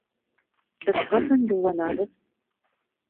Беҙ ҡасан юлланабыҙ?